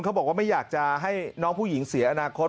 บอกว่าไม่อยากจะให้น้องผู้หญิงเสียอนาคต